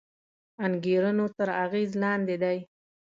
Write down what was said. انګېرنو تر اغېز لاندې دی